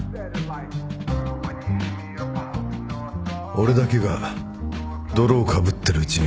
俺だけが泥をかぶってるうちに。